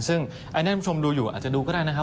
ซึ่งให้ท่านชมดูอยู่อาจจะดูก็ได้นะครับ